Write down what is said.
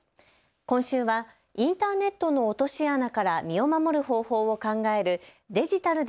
今週はインターネットの落とし穴から身を守る方法を考えるデジタルで！